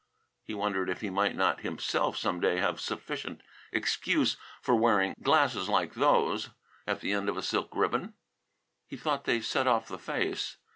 He wondered if he might not himself some day have sufficient excuse for wearing glasses like those, at the end of a silk ribbon. He thought they set off the face.